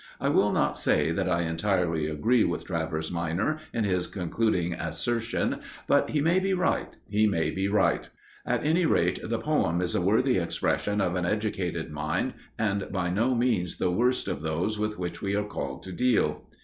I will not say that I entirely agree with Travers minor in his concluding assertion, but he may be right he may be right. At any rate, the poem is a worthy expression of an educated mind, and by no means the worst of those with which we are called to deal."